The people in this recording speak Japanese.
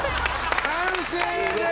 完成です！